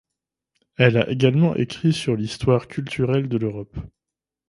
Elle a également écrit sur l'histoire culturelle de l'Europe.